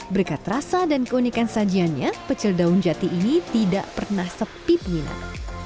berkat rasa dan keunikan sajiannya pecel daun jati ini tidak pernah sepi penginap